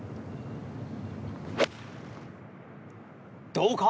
どうか？